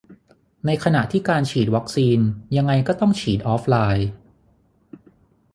ในขณะที่การฉีดวัคซีน ยังไงก็ต้องฉีดออฟไลน์